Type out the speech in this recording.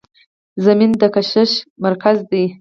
زمین د کشش مرکز دی.